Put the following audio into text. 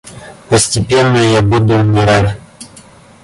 Постепенно я буду умирать.